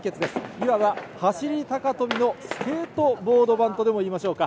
いわば、走り高跳びのスケートボード版とでもいいましょうか。